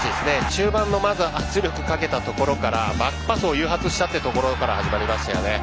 中盤の圧力かけたところからバックパスを誘発したところから始まりましたね。